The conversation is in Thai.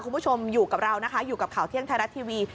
คุณผู้ชมอยู่กับเรานะคะอยู่กับข่าวเที่ยงไทยรัฐทีวี